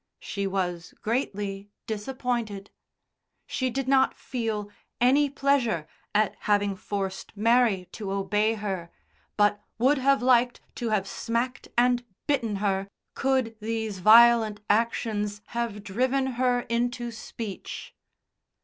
She was greatly disappointed; she did not feel any pleasure at having forced Mary to obey her, but would have liked to have smacked and bitten her, could these violent actions have driven her into speech.